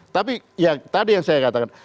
tapi ya tadi yang saya katakan